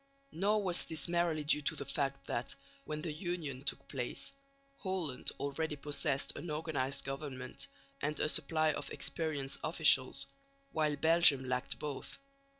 Nor was this merely due to the fact that, when the union took place, Holland already possessed an organised government and a supply of experienced officials, while Belgium lacked both.